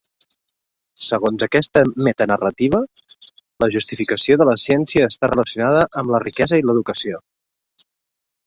Segons aquesta meta-narrativa, la justificació de la ciència està relacionada amb la riquesa i l'educació.